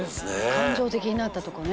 感情的になったとこね。